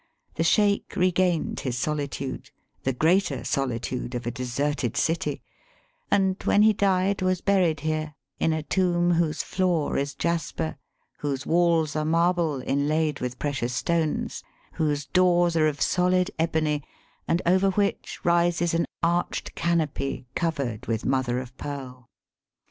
The Sheik regained his solitude — the greater soUtude of a deserted city — and when he died was buried here in a tomb whose floor is jasper, whose walls are marble inlaid with precious stones, whose doors are of solid ebony, and over which rises an arched canopy covered with mother of pearl.